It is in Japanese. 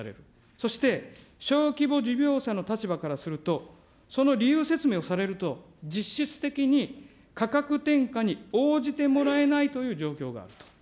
そして、小規模事業者の立場からすると、その理由説明をされると、実質的に価格転嫁に応じてもらえないという状況があると。